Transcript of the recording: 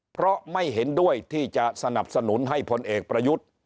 เพราะไม่เห็นด้วยที่จะสนับสนุนให้พลเอกประยุทธ์